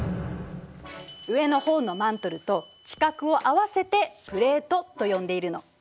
上のほうのマントルと地殻を合わせてプレートと呼んでいるの。